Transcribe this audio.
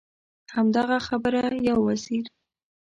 همدغه خبره یو وزیر.